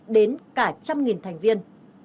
đến cả trăm nghìn thành viên